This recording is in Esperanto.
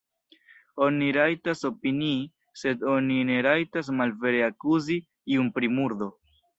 Oni rajtas opinii, sed oni ne rajtas malvere akuzi iun pri murdo.